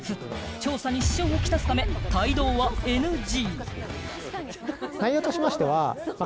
調査に支障をきたすため帯同はＮＧ。